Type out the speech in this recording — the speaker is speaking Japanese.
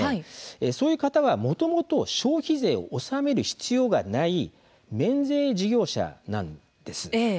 そういう方は、もともと消費税を納める必要がない免税事業者なんです。